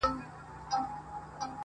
هر څوک خپله کيسه وايي تل,